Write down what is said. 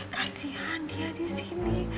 kasihan dia di sini